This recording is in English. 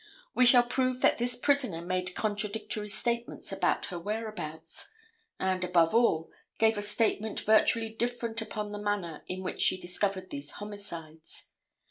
We shall prove that this prisoner made contradictory statements about her whereabouts, and, above all, gave a statement virtually different upon the manner in which she discovered these homicides.